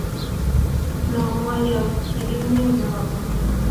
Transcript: No ko ngolio ne kiunye mawaun